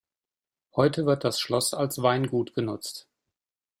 Heute wird das Schloss als Weingut genutzt.